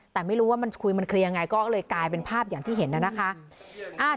แต่ไม่รู้ว่ามันคุยมันเคลียร์ยังไงก็เลยกลายเป็นภาพอย่างที่เห็นน่ะนะคะ